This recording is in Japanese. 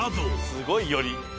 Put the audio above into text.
すごい寄り。